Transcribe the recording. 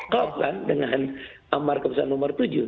kop kan dengan amar keputusan nomor tujuh